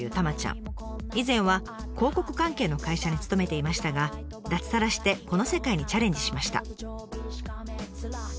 以前は広告関係の会社に勤めていましたが脱サラしてこの世界にチャレンジしました。